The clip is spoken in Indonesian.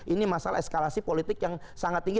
ini masalah eskalasi politik yang sangat tinggi